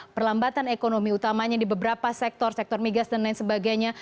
perlambatan ekonomi utamanya di beberapa sektor sektor migas dan lain sebagainya